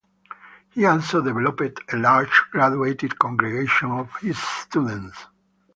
He also developed a large graduate congregation of his students.